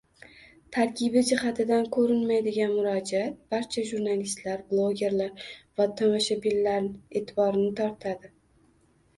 Tarkibi jihatidan ko'rinmaydigan murojaat barcha jurnalistlar, bloggerlar va tomoshabinlar e'tiborini tortadi